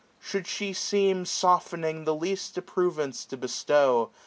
Should she seem Softening the least approvance to bestow.